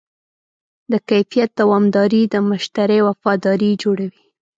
د کیفیت دوامداري د مشتری وفاداري جوړوي.